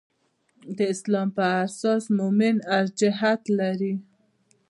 د اسلام پر اساس مومن ارجحیت لري.